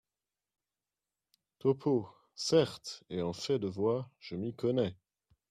Topeau ,— Certes ! et en fait de voix, je m’y connais !